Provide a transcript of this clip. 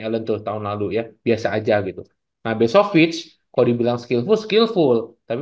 allen tuh tahun lalu ya biasa aja gitu nah besovic kalau dibilang skillful skillful tapi